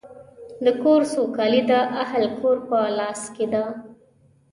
د کور سوکالي د اهلِ کور په لاس کې ده.